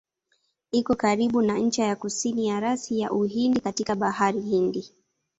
Iko karibu na ncha ya kusini ya rasi ya Uhindi katika Bahari Hindi.